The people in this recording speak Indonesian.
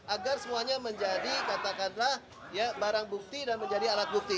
agar semuanya menjadi katakanlah barang bukti dan menjadi alat bukti